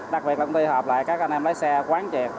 đặc biệt là công ty hợp lại các anh em lái xe quán triệt